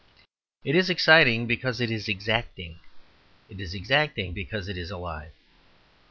It is exciting because it is exacting; it is exacting because it is alive.